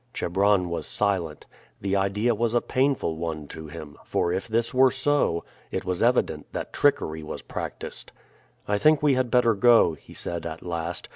Chebron was silent. The idea was a painful one to him; for if this were so, it was evident that trickery was practiced. "I think we had better go," he said at last.